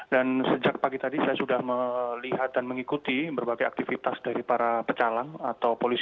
dan sejak pagi tadi saya sudah melihat dan mengikuti berbagai aktivitas dari para pecalang atau polisi